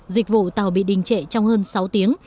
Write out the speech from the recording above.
dịch vụ tàu bị đình trệ trong hơn sáu tiếng